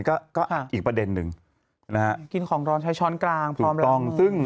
ต้องกินของร้อนใช้ช้อนกลาง